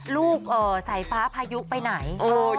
ลูกสายฟ้าพายุไปไหน